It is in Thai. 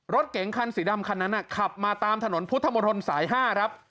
รถเก๋งคันสีดำคันนั้นขับมาตามถนนพุทธมนตรสาย๕ครับ